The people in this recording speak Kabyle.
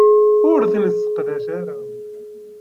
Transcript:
Ur t-nesseqdac ara.